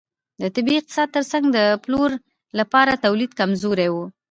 د طبیعي اقتصاد ترڅنګ د پلور لپاره تولید کمزوری و.